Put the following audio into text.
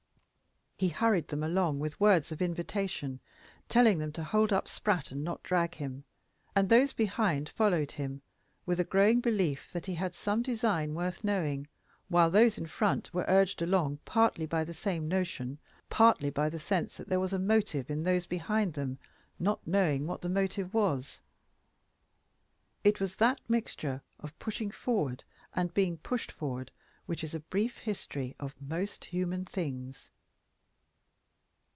He hurried them along with words of invitation, telling them to hold up Spratt and not drag him; and those behind followed him, with a growing belief that he had some design worth knowing, while those in front were urged along partly by the same notion, partly by the sense that there was a motive in those behind them, not knowing what the motive was. It was that mixture of pushing forward and being pushed forward, which is a brief history of most human things.